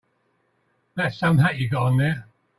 That's some hat you got on there.